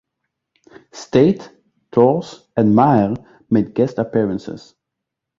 Staite, Torres and Maher made guest appearances.